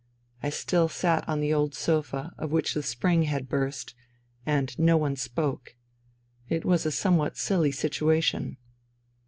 I still sat on the old sofa, of which the spring had burst, and no one spoke. It was a somewhat silly situation.